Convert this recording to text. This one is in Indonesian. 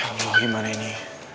allah gimana ini